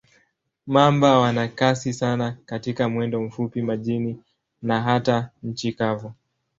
Mamba wana kasi sana katika mwendo mfupi, majini na hata nchi kavu.